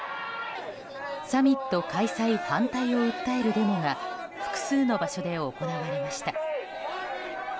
サミット開催反対を訴えるデモが複数の場所で行われました。